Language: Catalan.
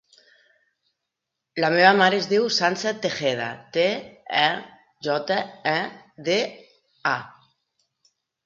La meva mare es diu Sança Tejeda: te, e, jota, e, de, a.